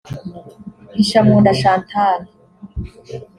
Hishamunda Chantal